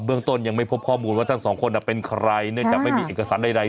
เรื่องต้นยังไม่พบข้อมูลว่าทั้งสองคนเป็นใครเนื่องจากไม่มีเอกสารใด